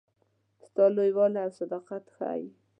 ستاسي لوی والی او صداقت ښيي.